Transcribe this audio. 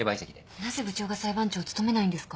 なぜ部長が裁判長を務めないんですか？